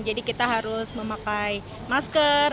jadi kita harus memakai masker